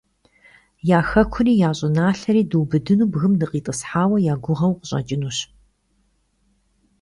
Я хэкури, я щӀыналъэри дубыдыну бгым дыкъитӀысхьа я гугъэу къыщӀэкӀынущ.